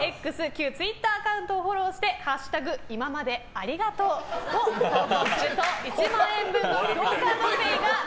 旧ツイッターアカウントをフォローして「＃今までありがとう」を投稿すると１万円分のＱＵＯカードＰａｙを。